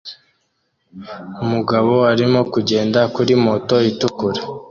Umugabo arimo kugenda kuri moto itukura